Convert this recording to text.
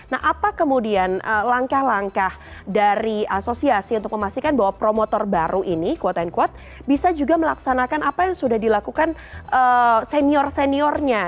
nah apa kemudian langkah langkah dari asosiasi untuk memastikan bahwa promotor baru ini quote unquote bisa juga melaksanakan apa yang sudah dilakukan senior seniornya